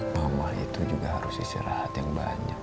mama itu juga harus istirahat yang banyak